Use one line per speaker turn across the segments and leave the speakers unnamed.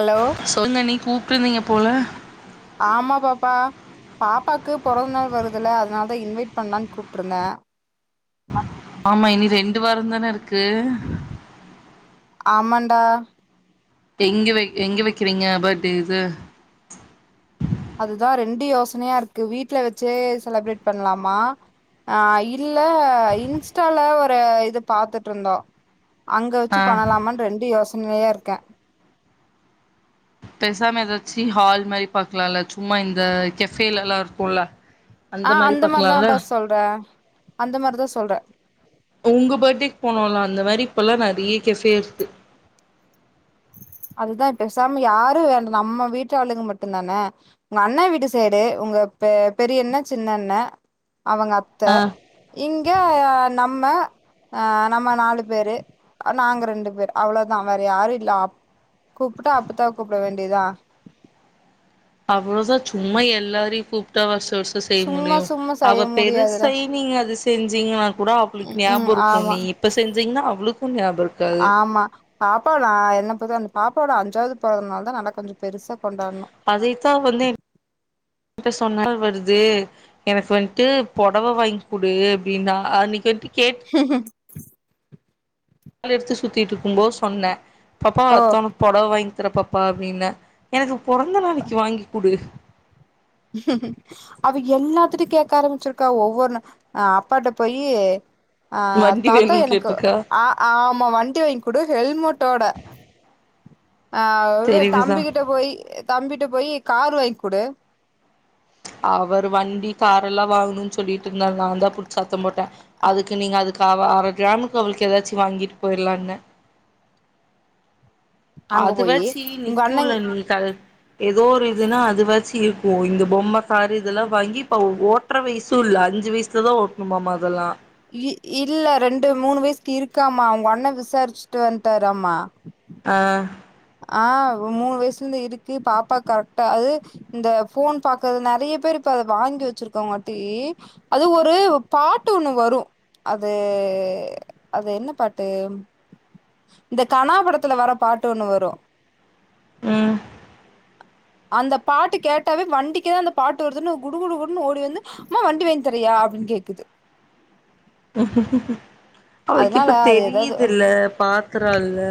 Hello
சொல்ங்க நீ கூப் ட்ருந்தீங்க போல
ஆமா பாப்பா பாப்பாக்கு பொறந்த நாள் வருதுல்ல அதனால தா இன்வைட் பண்ணலான்னு கூப்ட்டிருந்தே
ஆமா இனி ரெண்டு வாரந் தான இருக்கு
ஆமாண்டா
எங்க வைக் எங்க வைக்கிறீங்க பேட்டே இது
அதுதா ரெண்டு யோசனையா இருக்கு வீட்டுல வச்சே செலப்ரேட் பண்ணலாமா அ இல்ல இன்ஸ்டால ஒரு இது பாத்துட்ருந்தோ அங்க
ஆ
வச்சு பண்ணலாமானு ரெண்டு யோச் உண்மையாருக்கே
பெசாம ஏதாச்சு ஹால் மாரி பாக்கலால சும்மா இந்த கெஃபேலல்லா இருக்குல
ஆ அந்த மாரிதான்டா சொல்றே அந்த மாரிதா சொல்றே
உங்க பேர்டேக்கு போனோலா அந்த மாரி இப்பல்லா நெறைய கெஃபேல இருக்கு
அதுதா இபேசாம யாரு வேண்டா நம்ம வீட்டாளுக மட்டுந்தான உங்க அண்ணா வீட்டு சைடு உங்க பெ பெரியண்ண சின்னண்ண அவங்க அத்த
ஆ
இங்க அ நம்ம ஆ நம்ம நாலு பேரு நாங்க ரெண்டு பேர் அவ்ளதா வேற யாரு லா கூப்பிட்டா அப்டிதா கூப்பிட வேண்டியதா
அவ்வளோதா சும்மா எல்லாரையு கூப்பிட்டா வருஷ் இந்த வர்ஸோ செய்ய
சும்மா
முடியு
சும்மா செய்ய
அவ
முடியாதுல
பெருசாயி நீங்க அத செஞ்சீங்கன்னா கூட
ம்
அவளுக்கு
ம்
ஞாபோ
ஆமா
இருக்குண்ணி இப்ப செஞ்சீங்னா அவளுக்கு க் ஞாபோ இருக்காது
ஆமா பாப்பாவ நா என்ன ப தா அந்த பாப்பாவோட அஞ்சாவது பொறந்த நாள் தா நல்லா கொஞ்சோ பெருசா கொண்டாட்ணு
அதைத்தா வந்து இப் ட்ட சோ பொரந் நாள் வருது எனக்கு வந்ட்டு பொடவ வாங்கிக்குடு அப்டின்னா அன்னைக் [unintelligible]
உ உ [inaudible]
ஆல் எடுத்து சுத்திட்டு இருக்குபோ சொன்னே பாப்பா
ஓ
அத்தவொனக்கு பொடவ வாங் எத்தன பப்பா அப்டின்ன பொறந்த நாளைக்கு வாங்கி குடு
அவ எல்லாத்துட்டையு கேக்க ஆரம்பிச்சிருக்கா ஒவ்வொரு நா அப்பாட்ட போயி அ
வண்டி
தாத்தா
வேணுன்னு
எனக்கு
கேட்ருக்கா
ஆ ஆமா வண்டி வாங்கி குடு ஹெல்மெட்டோட ஆ வ்வு
தெரியுதுதா
தம்பிக்கிட்ட போயி தம்பிட்ட போயி கார் ரு வாங் குடு
அவரு வண்டி கார் எல்லா வாங்ணுனு சொல்லிட்டு இருந்தார் நா தா புடிச்சு சத்தோ போட்ட அதுக்கு நீங்க அது காவா அர கிராமுக்கு அவளுக்கு ஏதாச்சி வாங்கிட் போயிர்லான்ன
அங்க
அதுவ
போயி
சி
உங்க அண்ணன்
நிக்கூலன் கல் ஏதோ ஒரு இதுனா அதுவாச்சி இருக்கும் இந்த பொம்ம காரு இதெல்லா வாங்கி இப்ப ஓட்ற வயசும் இல்ல அஞ்சு வயசுல தா ஓட்டணுமமா அதெல்லா
இ இல்ல ரெண்டு மூணு வயசுக் இருக்காமா அவுங்க அண்ண விசாரிச்சுட்டு வன்டாராமா
ஆ
ஆ ஒரு மூணு வயசுலருந்து இருக்கு பாப்பா கரெக்டா அது இந்த ஃபோன் பாக்றது நறைய பேர் இப்ப அத வாங்கி வச்சிருக்காங்காட்டி அது ஒரு பாட்டு ஒண்ணு வரும் அது அது என்ன பாட்டு இந்த கணா படத்துல வர பாட்டு ஒண்ணு வர் ரு
ம்
அந்த பாட்டு கேட்டாவே வண்டிக்குதா அந்த பாட்டு வருதுன்னு குடு குடு குடுன்னு ஓடி வந்து மா வண்டி வாங்கி தரியா அப்டின்னு கேக்குது
[inaudible] அவளுக்கு
அதனால
இப்ப
அது எதாவது
தெரியுதுல்ல பாக்குறால்ல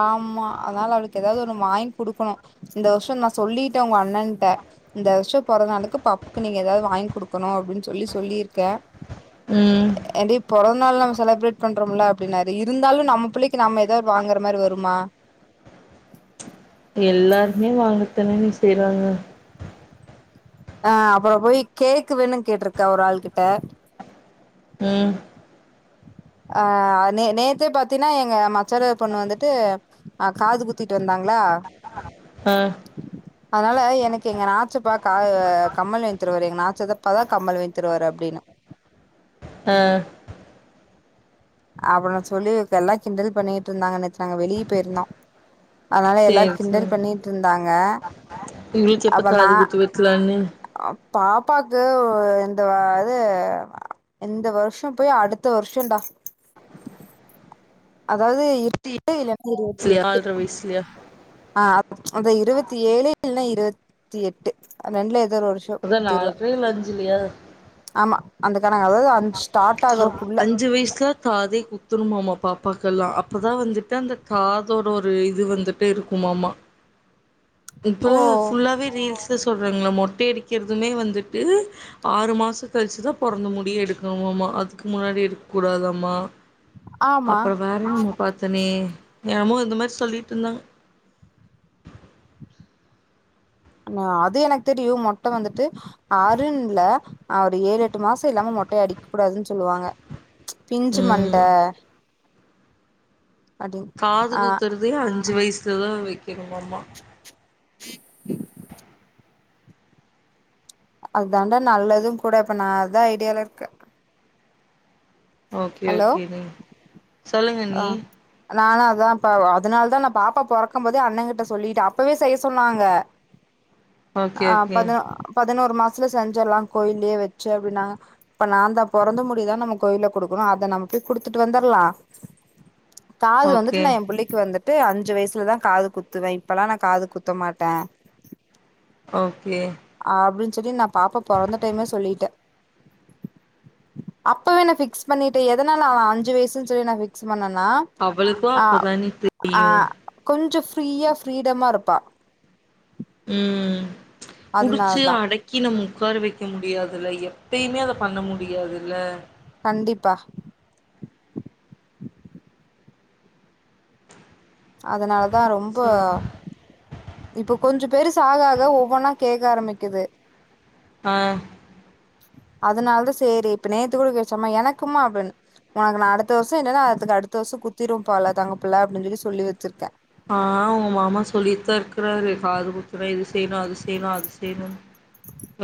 ஆமா அதனால அவுளுக் ஏதாவது ஒன்னு வாங்க் குடுக்கணு இந்த வருஷோ நா சொல்லிட உங்க அண்ணன்ட இந்த வருஷோ பொறந்தனாளுக்கு பப்க்கு நீங்க ஏதாவது வாங்கி குடுக்கணு அப்டின் சொல்லி சொல்லிருக்க
ம்
ஏ ஏன் டி பொறந் நாள்லா பண்றோம்ல அப்டின்னாரு இருந்தாலு நம்மப் பிள்ளைக்கு நம்ம ஏதாவது வாங்கற மாரி வருமா
இத்தன நீ செய்றாங்க
அ அப்புறோ போய் கேக்கு வேணு கேட்டிருக்கா ஒரு ஆள் கிட்ட
ம்
அ நே நேத்தே பாத்தீனா எங்க அம்மாக் சறப் பொண் வந்துட்டு ஆ காது குத்திட் வந்தாங்
ம்
அதனால எனக் எங்க நாச்ச பாக் காதுவ கமல் வாங்தருவாரு எங்கநாச்சதப்பா தா கமல் வாங்தருவாரு அப் வேன
ஆ
அப்புற சொல்லி எல்லா கிண்டல் பண்ணிகிட்டு இருந்தாங்க நேத்து நாங்க வெளியே போயிருந்தோ அதனால எல்லாரு
சேரி
கிண்டல்
சேர்
பண்ணிட்டு இருந்தாங்க
உங்களுக்கு எப்ப காது குத்து வைக்கறாங்க
அ பாப்பாக்கு இந்த அது இந்த வருஷ போய் அடுத்த வருஷடா அதாவது இறுத்தி ப்
ஸ்லியா ஆர்ரை வயஸ்லியா
ஆ அது இருவத்தி ஏழு இல்னா இருவத்தி எட்டு அந் ரெண்ல
அதா நால் போய்லஞ்சலையா
ஆமா அந்த கணக்கு அஞ் ஸ்டார்ட் ஆகறக்குல்ல
குத்துனும்மாமாப்ப பாப்பாக்கெல்லா அப்பதா வந்துட்டு அந்த காதோட ஒரு இது வந்துட்டு இருக்குமாம்மா
ஓ
இப்பல்லா ஃபுல்லாவே ரீல்ஸ் ந்து சொல்றாங்களாமா மொட்டை அடிக்கிறதுமே வந்துட்டு ஆறு மாச கழிச்சுதா பொறந்த முடிய எடுக்கணுமாம்மா அதுக்கு முன்னாடி எடுக்க கூடாதாம்மா
ஆமா
அப்புற வேற பாத்தனே எ அம்மு இந்த மாரி சொல்லிட்டு இருந்தாங்க
ஆ அது எனக்கு தெரியு மொட்ட வந்துட்டு ஆறுன்லா அது ஏழு எட்டு மாச இல்லாம மொட்டையை அடிக்க கூடாதுன்னு சொல்லுவாங்க பிஞ்சு மண்ட
ம்.
அப்டின்
காது
ஆ
குத்துறதே அஞ்சு வயசுலதா வைக் இவும்மாமா
[inaudible] அதான்டா நல்லதும் கூட இப்ப நா அதா ஐடியால இருக்கே
ஓகே
ஹலோ
ஓகே ண்ணி சொல்லுங்க அண்ணி
நாலா அதா அப்ப அதனால தா நா பாப்பா பொறக்கு போதே அண்ண கிட்ட சொல்லிட்டே அப்பவே செய்ய சொன்னாங்க
ஓகே,
ஆ அப்ப
ஓகே.
தா அ பத் பதினோறு மாசத்துல செஞ்சரல்லா கோயில்யே வச்சு அப்டின்னாங்க அப்ப நா தா பொறந்த முடிதா நம்ம கோயில்ல குடுக்கணு அத நம்ம போய் குடுத்துட்டு வந்துரலா காது வந்துட்டு
ஓகே,
நா எ புள்ளைக்கு வந்துட் ட்டு அஞ்சு வயசுலதா காது குத்துவே இப்பல்லா நா காது குத்த மாட்டே
ஓகே
அப்டின்னு சொல்லி நா பாப்பா பொறந்த டைமே சொல்லிட்டே அப்பவே நா ஃபிக்ஸ் பண்ணிட்டு எதனால அவ அஞ்சு வயசுன் சொல்லி நா வச் பண்ணனா
அவளுக்கு
ஆ
அப்பதானே
ஆ
தெரியு
கொஞ்சோ ஃப்ரீயா ஃப்ரீடமா இருப்பா
ம் ம் புடிச்சி
அதனாலதா
அடக்கி நம்ம உக்கார வைக்க முடியாது இல்ல எப்பயுமே அதைன பண்ண முடியாது இல்ல
கண்டிப்பா அதனால தா ரொம்போ
சொல்லுங்க
இப்ப கொஞ்சோ பெருசா ஆக ஆக ஒவ்வொன்னா கேக்க ஆரம்பிக்கிது
ஆ
அதனால தா சேரி இப்ப நேத்து கூட கேட்டுச்சி அம்மா எனக்குமா அப்டின்னு ஒனக்கு நான் அடுத்த வருஷம் இல்லன்னா அதுக்கு அடுத்த வருஷம் குத்திரு பால தங்கப்புல அப்டின்னு சொல்லி சொல்லி வச்சிருக்கேன்
ஆ உங்க மாமா சொல்லித்தா இருக்கறாரு காது குத் புற இது செய்யணும் அது செய்யணும் அது செய்யணும்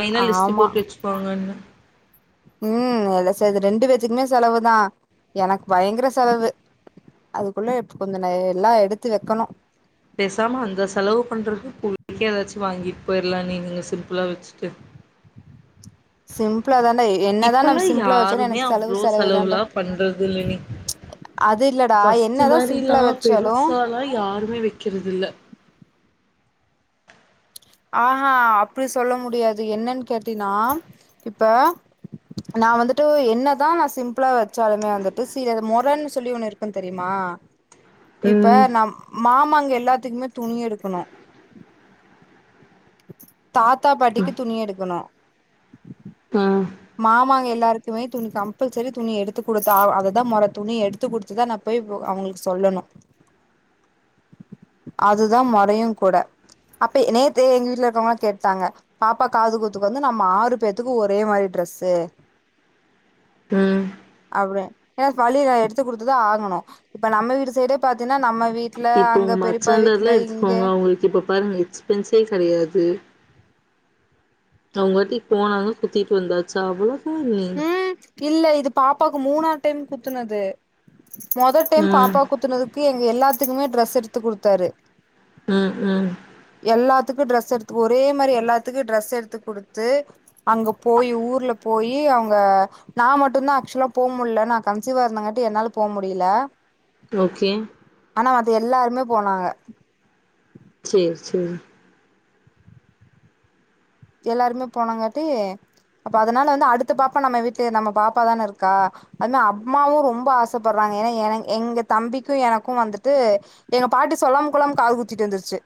மெயினா லிஸ்ட்டு போட்டு வச்சிப்பாங்கன்னு
உம் என்ன செய்து ரெண்டு பேத்துக்குமே செலவு தான் எனக்கு பயங்கர செலவு அதுக்குள்ள இப்ப கொஞ்ச ந எல்லாம் எடுத்து வக்கணும்
பேசாம அந்த செலவு பண்றது புள்ளைக்கு எதாச்சும் வாங்கிட்டு போயிரலாம் நீங்கங்க சிம்பிளா வச்சிட்டு
சிம்பிளா தான்டா என்னதா நம்ம
இப்பல்லாம்
சிம்பிளா வச்சாலு
யாருமே
எனக்கு செலவு
அவ்ளோ
செலவு தான்டா
செலவுலா பண்றது இல்ல நீ
அது இல்லடா
பஸ்ட்டு
என்னதா சிம்பிளா
மாரில்லாம்
வச்சாலு
பெருசாலாம் யாருமே வைக்கறது இல்ல
ஆஹா அப்டி சொல்ல முடியாது என்னன்னு கேட்டீன்னா இப்ப நான் வந்துட்டு என்னதான் நா சிம்ப்ளா வச்சாலுமே வந்துட்டு சீர மொறன்னு சொல்லி ஒண்ணு இருக்குன் தெரியுமா இப்ப
ம்
நம் மாமா இங்க எல்லாத்துக்குமே துணி எடுக்கணும் தாத்தா பாட்டிக்கு துணி எடுக்கணும் [unintelligible]
ஆ
மாமாங்க எல்லாருக்குமே துணி கம்பல்செரி துணி எடுத்து குடுத்தா ஆவு அதுதா மொற துணி எடுத்து குடுத்துதான் நான் போயி ஒ அவங்களுக்கு சொல்லணும் அதுதா மொறையும் கூட அப்ப நேத்தே எங்க வீட்ல இருக்கவங்கலாம் கேட்டாங்க பாப்பா காது குத்துக்கு வந்து நம்ம ஆறு பேத்துக்கும் ஒரே மாரி டிரஸ்சு
ம்
அப்டி எதாச்சி வழி இல்ல எடுத்து குடுத்து தா ஆகணும் இப்ப நம்ம வீட்டு சைடே பாத்தீன்னா நம்ம வீட்ல
இப்ப
அங்க
உங்க
பெரியப்பா வீட்ல
மச்சாதாரல்லா
இங்க
எடுத்துக்குவாங்க அவுங்களுக்கு இப்ப பாருங்க எக்ஸ்பென்ஸே கெடையாது அவுங்கவாட்டி போனாங்க குத்திட்டு வந்தாச்சா அவ்ளோ
ம் இல்ல இது பாப்பாக் க்கு மூணா டைம் குத்துனது மொத டைம்
ம்
பாப்பா குத்துனதுக்குகே அவங்க எல்லாத்துக்குமே டிரஸ்ஸு எடுத்து குடுத்தாரு
ம் ம்
எல்லாத்துக்கும் ட்ரெஸ் எடுத்து ஒரே மாரி எல்லாத்துக்கும் ட்ரெஸ் எடுத்து குடுத்து அங்க போயி ஊர்ல போயி அவுங்க நான் மட்டுதான் ஆக்சுவலா போ முல்ல நான் கன்சீவா இருந்தங்காட்டி என்னால போ முடியல
ஓகே
ஆனா அது எல்லாரு மே போனாங்க
செரி செரி
எல்லாருமே போனாங்காட்டி அப்ப அதனால வந்து அடுத்த பாப்பா நம்ம வீட்டுல நம்ம பாப்பாதான இருக்கா அதும அம்மாவு ரொம்ப ஆசைப்பறாங்க ஏன்னா என எங்க தம்பிக்கு எனக்கு வந்துட்டு எங்க பாட்டி சொல்லாமகுலாம காது குத்திட்டு வந்துருச்சி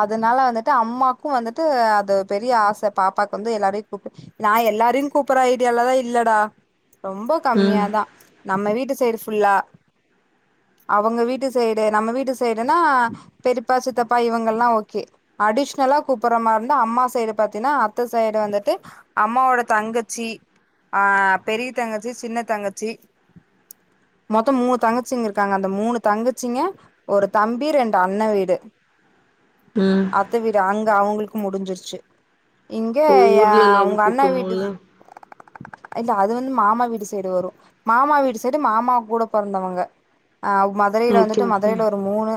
அதனால வந்துட்டு அம்மாக்கு வந்துட்டு அது பெரிய ஆச பாப்பாக்கு வந்து எல்லாரையு கூப்ட் நா எல்லாரையு கூப்பற ஐடியாலா இல்லடா ரொம்ப
ம்
கம்மியாதா நம்ம வீட்டு சைடு ஃபுல்லா அவங்க வீட்டுசைடு நம்ம வீட்டு சைடுனா பெரிப்பா சித்தப் ப்பா இவங்கல்லா ஓகே அடிஷ்னலா கூப்புற மாரிந்த அம்மா சைடு பாத்தீன்னா அத்த சைடு வந்துட்டு அம்மாவோட தங்கச்சி அ பெரிய தங்கச்சி சின்ன தங்கச்சி மொத்தோ மூணு தங்கச்சிங்க இருக்காங்க அந்த மூணு தங்கச்சிங்க ஒரு தம்பி ரெண்டு அண்ண வீடு
ம்
ட்டு அங்க அவங்களுக்கு முடிஞ்சிருச்சி இங்க
ஓ
ஏ
ஊர்ல லவ்
உங்க அண்ணா வீட்டு
கூப்பட்ணுல்ல
இல்ல அது வந்து மாமா வீட்டு சைடு வரு மாமா வீட்டு சைடு மாமா கூட பொறதவங்க ஆ மதுரயில
ஓகே
வந்துட்டு
ஓகே
மதுரயில ஒரு மூணு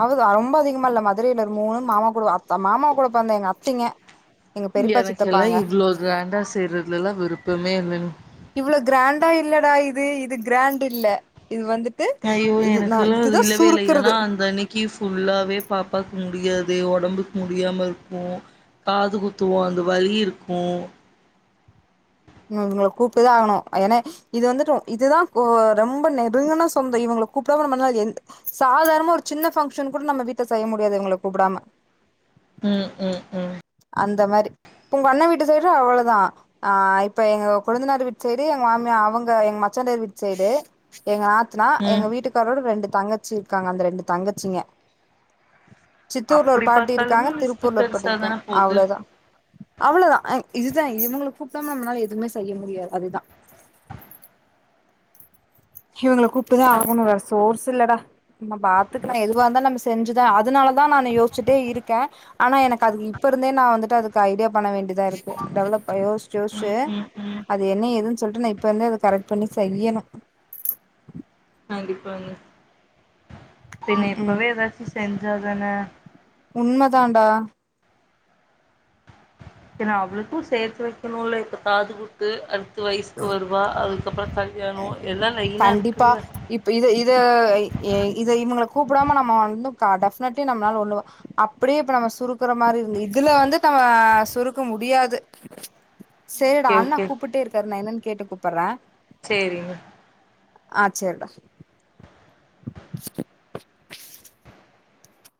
அதுதா ரொம்ப அதி ங்கமல்ல மதுரயில ஒரு மூணு மாமாகூட அத் மாமா கூட பொறந்தா எங்க அத்திங்க
எனக்கெல்லா இவ்ளோ கிராண்டா செய்றதுலல்லா விருப்பமே இல்ல
இவ்ளோ கிராண்டா இல்லடா இது இது கிராண்ட் இல்ல இது வந்துட்
ஐயோ எனக்கெல்லா அது இல்லவேல்ல ஏன்னா அந்த அன்னைக்கு ஃபுல்லாவே பாப்பாகு முடியாதே உடம்புக்கு முடியாம இருக்கு காது குத்துவோ அந்த வலி இருக்கு
ம் இவங்கள கூப்புட்டுதா ஆகணு ஏன்னா இது வந்துட்டு இதுதா ஒ ரொம்ப நெருங்கனா சொந்தோ இவங்கள கூப்படாம நம்ம நாள் எ சாதாரணமா ஒரு சின்ன பங்க்ஷன் கூட நம்ம வீட்ட செய்ய முடியாது இவங்கள கூப்படாம
ம்ம்ம்
அந்த மாரி உங்க அண்ணன் வீட்டு சைடு அவ்ளோதா அ இப்ப எங்க கொழந்தனார் வீட்டு சைடு எங்க மாமிய அவங்க எங்க மச்சண்டார் வீட்டு சைடு எங்க நாத் த்னா
ம்
எங்க வீட்டுக்காரோட ரெண்டு தங்கச்சி இருக்காங்க அந்தரெண்டு தங்கச்சிங்க சித்தூர்ல ஒரு
அப்படி
பாட்டிருக்காங்க
பாத்தாலுமே லிஸ்ட்
திருப்பூர்ல ஒரு
பெருசா தான
பாட்டிருக்காங்க
போது
அவ்ளதா அவ்ளதா அ இதுதா இவங்கள கூப்படாம நம்மளால எதுமே செய்ய முடியாது அதுதா இவங்க கூப்புட்டுதா ஆகணு வேற சோர்ஸ் இல்லடா நம்ம பாத்துக்கலா எதுவா இருந்தாலு நம்ம செஞ்சுதா அதனாலதா நானு யோசிச்சட்டே இருக்கே ஆனா எனக்கு அதுக்கு இப்ப இருந்தே நா வந்துட்டு அதுக்கு ஐடியா பண்ண வேண்டியதா இருக்கு டெவலப் யோசிச்சி யோசிச்சி
ம் ம் ம்
அது என்ன ஏதுன்னு சொல்ட்டு நா இப்ப இருந்தே அத கரெக்ட் பண்ணி செய்யணு
கண்டிப்பாங்க சே ந
ம் ம்
இப்பவே எதாச்சி செஞ்சா ஆ
உண்ம தான்டா
ஏ நா அவளுக்கு சேத்து வைக்கணுல இப்ப காதுகுத்து அடுத் து வயசக்கு வருவா அதுக்கப்பறோ கல்யாணோ எல்லா லைனா
கண்டிப்பா
இருகுல்ல
இப்ப இது இது இத இவங்கள கூப்பிடாம நம்ம வந்து டெபினெட்லி நம்மளால ஒண்ணுவ அப்பிடியே இப்ப நம்ம சுருக்கற மாரி இருந்து இதுல வந்து தம்ம சுருக்க முடியாது சேர்டா
ஓகே
அண்ணா
ஓகே
கூப்புட்டேருக் நா என்னனு கேட்டு கூப்புட்ற
சேரிங்க
சேரிடா [unintelligible]